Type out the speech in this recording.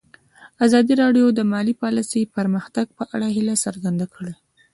ازادي راډیو د مالي پالیسي د پرمختګ په اړه هیله څرګنده کړې.